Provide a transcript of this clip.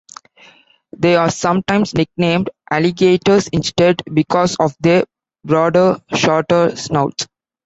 They are sometimes nicknamed "Alligators", instead, because of their broader, shorter snouts.